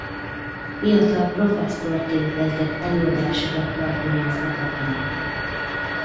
Fiatal professzorként kezdett előadásokat tartani az egyetemen.